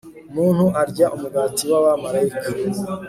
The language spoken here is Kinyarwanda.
muntu arya umugati w'abamalayika